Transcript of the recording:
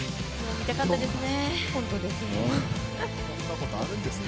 見たかったですね。